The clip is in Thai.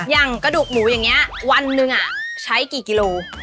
อย่างกระดูกหมูอย่างนี้วันหนึ่งใช้กี่กิโล